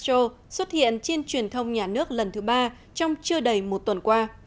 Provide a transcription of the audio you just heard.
lãnh tụ cách mạng cuba fidel castro xuất hiện trên truyền thông nhà nước lần thứ ba trong chưa đầy một tuần qua